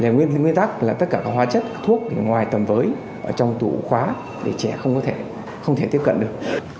nguyên tắc là tất cả các hóa chất thuốc ngoài tầm với trong tủ khóa để trẻ không có thể tiếp cận được